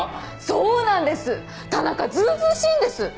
そうなんです田中ずうずうしいんです！